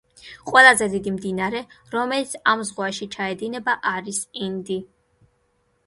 ყველაზე დიდი მდინარე, რომელიც ამ ზღვაში ჩაედინება, არის ინდი.